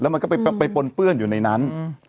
มันก็ไปปนเปื้อนอยู่ในนั้น